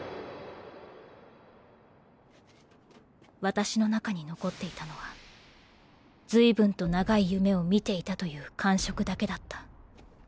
私の中に残っていたのは随分と長い夢を見ていたという感触だけだった。